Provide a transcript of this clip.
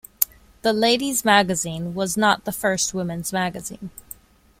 "The Lady's Magazine" was not the first women's magazine.